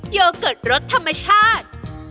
โยเกิร์ตรสธรรมชาติ